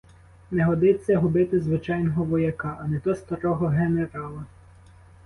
Не годиться губити звичайного вояка, а не то старого генерала.